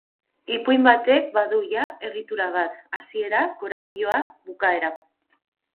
Ipuin batek badu ja egitura bat, hasiera, koropiloa, bukaera.